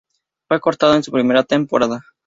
Fue cortado en su primera temporada.